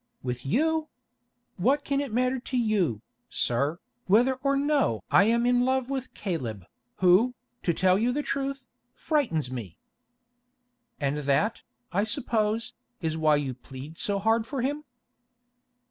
"With you! What can it matter to you, sir, whether or no I am in love with Caleb, who, to tell you the truth, frightens me?" "And that, I suppose, is why you plead so hard for him?"